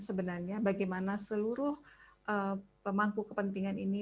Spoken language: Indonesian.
sebenarnya bagaimana seluruh pemangku kepentingan ini